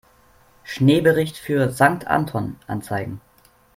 Schneebericht für Sankt Anton anzeigen.